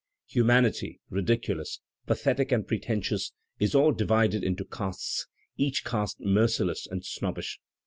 Humanity, ridiculous, pathetic and pre tentious, is all divided into castes, each caste merciless and snobbish.